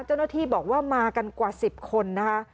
เจ้าหน้าที่บอกว่ามากันกว่า๑๐คนนะคะ